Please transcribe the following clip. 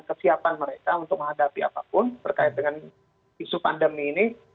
kesiapan mereka untuk menghadapi apapun berkait dengan isu pandemi ini